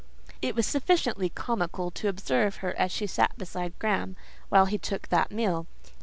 It was sufficiently comical to observe her as she sat beside Graham, while he took that meal.